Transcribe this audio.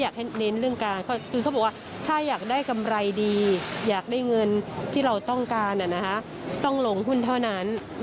คุณผู้ชมพิธีการต้องลงหุ้นเท่านั้น